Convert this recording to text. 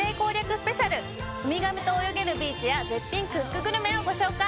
スペシャルウミガメと泳げるビーチや絶品クックグルメをご紹介